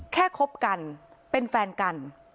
คบกันเป็นแฟนกัน